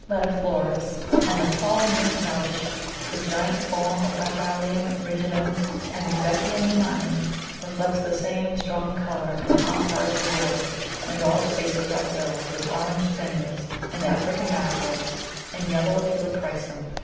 lætiflorus_ and the tall Miss Mellish, the giant form of Harpalium rigidum. Rudbeckia Newmanni reflects the same strong colour in the front part of the border, and all spaces are filled with orange Zinnias and African Marigolds and yellow Helichrysum.